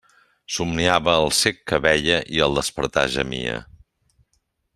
Somniava el cec que veia, i al despertar gemia.